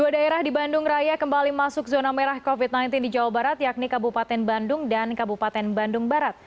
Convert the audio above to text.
dua daerah di bandung raya kembali masuk zona merah covid sembilan belas di jawa barat yakni kabupaten bandung dan kabupaten bandung barat